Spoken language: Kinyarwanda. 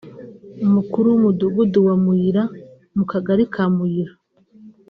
umukuru w’Umudugudu wa Muyira mu kagari ka Muyira